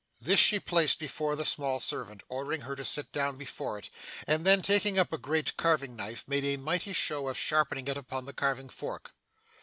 This she placed before the small servant, ordering her to sit down before it, and then, taking up a great carving knife, made a mighty show of sharpening it upon the carving fork.